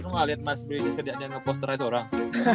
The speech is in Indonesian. lo gak liat mas bridges kejadian yang nge posterize orang